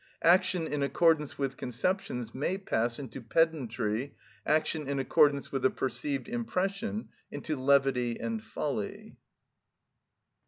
Action in accordance with conceptions may pass into pedantry, action in accordance with the perceived impression into levity and folly.